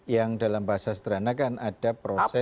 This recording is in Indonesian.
yang dalam bahasa sederhana kan ada proses